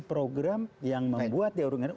program yang membuat dia uring uringan